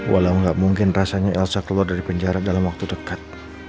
walau nggak mungkin rasanya elsa keluar dari penjara dalam waktu dekat